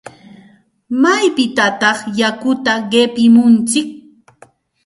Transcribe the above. ¿Maypitataq yakuta qipimuntsik?